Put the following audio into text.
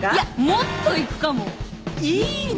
もっといくかも。いいね。